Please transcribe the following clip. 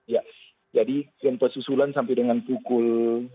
ya jadi gempas susulan sampai dengan pukul dua puluh empat